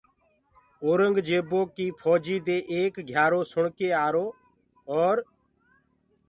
اورنٚگجيبو ڪيٚ ڦوجيٚ دي ايڪ گھيآرو سُڻ ڪي آرو اور